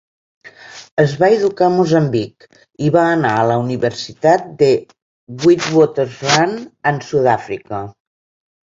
Es va educar a Moçambic i va anar a la Universitat de Witwatersrand en Sud-àfrica.